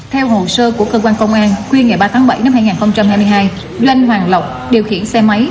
theo hồ sơ của cơ quan công an khuya ngày ba tháng bảy năm hai nghìn hai mươi hai doanh hoàng lộc điều khiển xe máy